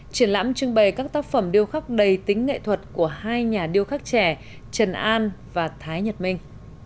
triển lãm trưng bày các tác phẩm điêu khắc đầy tính nghệ thuật của hai nhà điêu khắc trẻ trần an và thái nhật minh